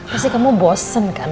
pasti kamu bosen kan